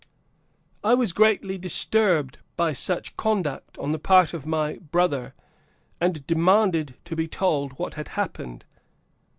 I was greatly disturbed by such conduct on the part of my "brother," and demanded to be told what had happened.